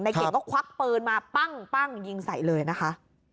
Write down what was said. เก่งก็ควักปืนมาปั้งยิงใส่เลยนะคะ